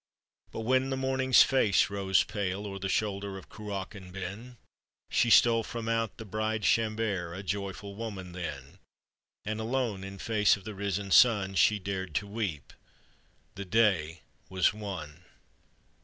But when the morning's face rose pale O'er the shoulder of Cruachan ben, She stole from out the bride cbambere, A joyful woman then ; And alone in face of the risen sun She dared to weep: the day was won !